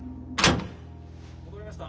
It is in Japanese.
戻りました！